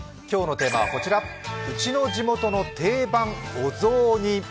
今日のテーマは「うちの地元の定番お雑煮」。